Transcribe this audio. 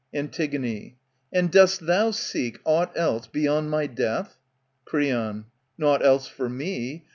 Antig, And dost thou seek aught else beyond my death ? Creon, Nought else for me.